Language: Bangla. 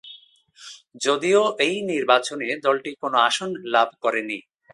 যদিও এই নির্বাচনে দলটি কোন আসন লাভ করেনি।